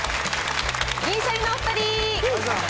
銀シャリのお２人。